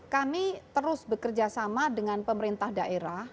kami terus bekerja sama dengan pemerintah daerah